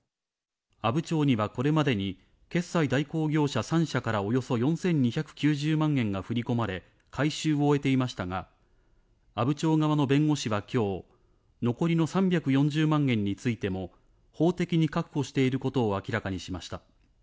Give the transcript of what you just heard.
阿武町にはこれまでに、決済代行業者３社から、およそ４２９０万円が振り込まれ、回収を終えていましたが、阿武町側の弁護士はきょう、残りの３４０万円についても、法的に確保していることを明らかにしました。